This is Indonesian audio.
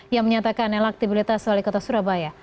yang menyatakan elektibilitas wali kota surabaya